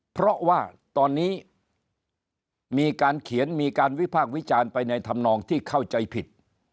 เพราะว่าตอนนี้มีการเขียนมีการวิพากษ์วิจารณ์ไปในธรรมนองที่เข้าใจผิด